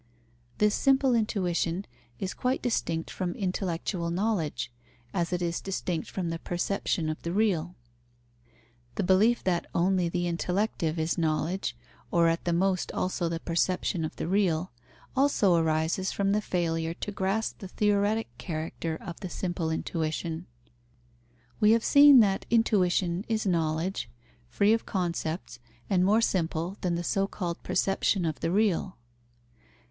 This simple intuition is quite distinct from intellectual knowledge, as it is distinct from the perception of the real. The belief that only the intellective is knowledge, or at the most also the perception of the real, also arises from the failure to grasp the theoretic character of the simple intuition. We have seen that intuition is knowledge, free of concepts and more simple than the so called perception of the real.